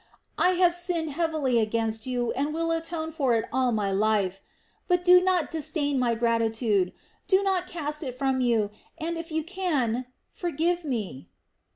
I have sinned heavily against you and will atone for it all my life; but do not disdain my gratitude! Do not cast it from you and, if you can, forgive me."